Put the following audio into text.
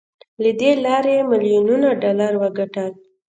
له دې لارې يې ميليونونه ډالر وګټل.